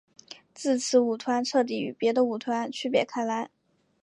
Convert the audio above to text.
自此舞团彻底与别的舞团区别开来。